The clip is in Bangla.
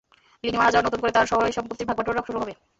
লিনি মারা যাওয়ায় নতুন করে তার সয়-সম্পত্তির ভাগ বাটোয়ারা শুরু হবে।